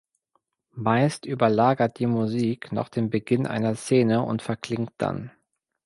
Meist überlagert die Musik noch den Beginn einer Szene und verklingt dann.